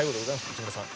内村さん。